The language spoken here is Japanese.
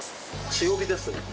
強火ですね。